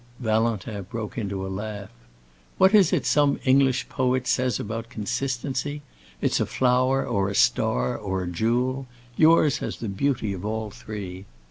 Valentin broke into a laugh. "What is it some English poet says about consistency? It's a flower, or a star, or a jewel. Yours has the beauty of all three!"